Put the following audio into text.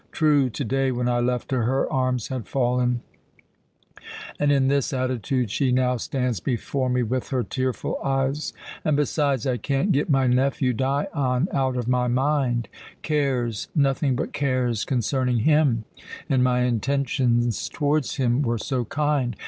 True, today, when I left her, her arms had fallen and in this attitude she now stands before me with her tearful eyes. And besides, I can't get my nephew Dion out of my mind. Cares nothing but cares concerning him! And my intentions towards him were so kind!